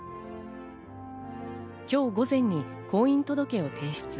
今日午前に婚姻届を提出。